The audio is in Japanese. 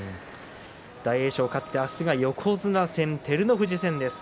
大栄翔、勝って明日は横綱戦、照ノ富士戦です。